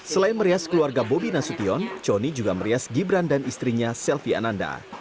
selain merias keluarga bobi nasution conny juga merias gibran dan istrinya selvi ananda